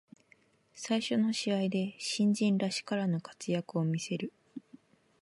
最初の試合で新人らしからぬ活躍を見せる